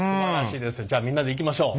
じゃあみんなでいきましょう。